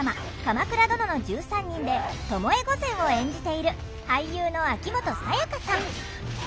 「鎌倉殿の１３人」で巴御前を演じている俳優の秋元才加さん。